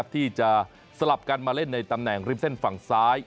ที่จะสลับกันมาเล่นในตำแหน่งริมเส้นฝั่งซ้าย